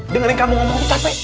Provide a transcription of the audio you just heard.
dengerin kamu ngomong capek